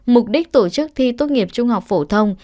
mục đích tổ chức thi tốt nghiệp trung học phổ thông